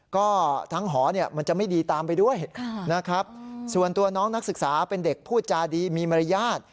ก็ทั้งหอเนี่ยมันจะไม่ดีตามไปด้วยนะครับส่วนตัวน้องนักศึกษาเป็นเด็กพูดจาดีมีมารยาท